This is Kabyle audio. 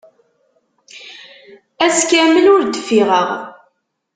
Ass kamel ur d-ffiɣeɣ.